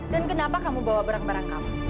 dan kenapa kamu bawa barang barang kamu